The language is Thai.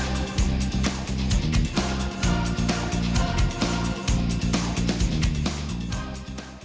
โปรดติดตามตอนต่อไป